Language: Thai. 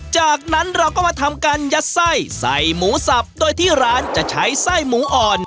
จากนั้นเราก็มาทำการยัดไส้ใส่หมูสับโดยที่ร้านจะใช้ไส้หมูอ่อน